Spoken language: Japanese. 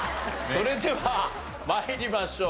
それでは参りましょう。